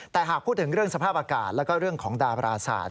แต่หากพูดถึงเรื่องสภาพอากาศแล้วก็เรื่องของดาบราศาสต